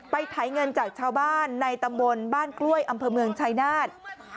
ไถเงินจากชาวบ้านในตำบลบ้านกล้วยอำเภอเมืองชายนาฏ